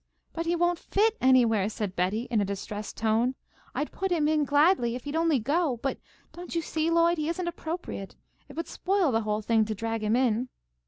"But he won't fit anywhere!" said Betty, in a distressed tone. "I'd put him in, gladly, if he'd only go, but, don't you see, Lloyd, he isn't appropriate. It would spoil the whole thing to drag him in."